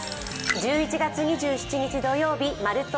１１月２７日、土曜日「まるっと！